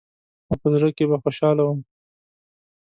او په زړه کښې به خوشاله وم.